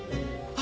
あ。